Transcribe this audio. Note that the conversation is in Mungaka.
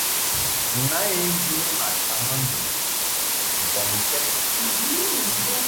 Nǎ lin ma taŋɨ ŋgɨŋ mbɔŋkɛd.